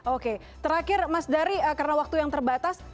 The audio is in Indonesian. oke terakhir mas dary karena waktu yang terbatas